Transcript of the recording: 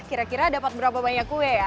kira kira dapat berapa banyak kue ya